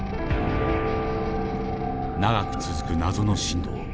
長く続く謎の震動。